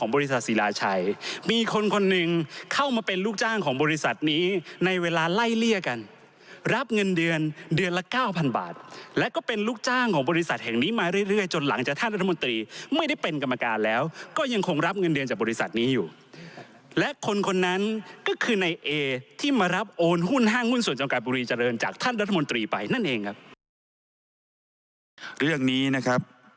บุรีเจริญจากท่านรัฐมนตรีไปนั่นเองครับเรื่องนี้นะครับ